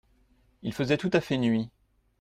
Il faisait tout à fait nuit.